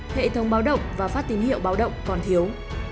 hệ thống báo động và phát tín hiệu báo động còn thiếu